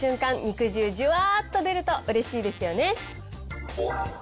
かんだ瞬間、肉汁じゅわーっと出ると、うれしいですよね。